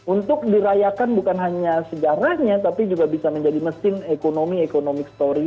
untuk dirayakan bukan hanya sejarahnya tapi juga bisa menjadi mesin ekonomi ekonomi story